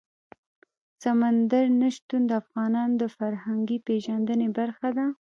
سمندر نه شتون د افغانانو د فرهنګي پیژندنې برخه ده.